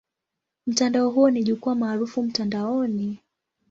Mtandao huo ni jukwaa maarufu mtandaoni.